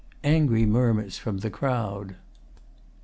Angry murmurs from the crowd.